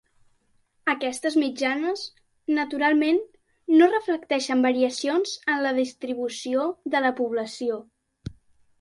Aquestes mitjanes, naturalment, no reflecteixen variacions en la distribució de la població.